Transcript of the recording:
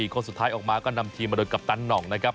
คนสุดท้ายออกมาก็นำทีมมาโดยกัปตันหน่องนะครับ